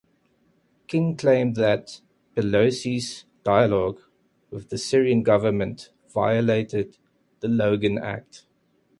King claimed that Pelosi's dialogue with the Syrian government violated the Logan Act.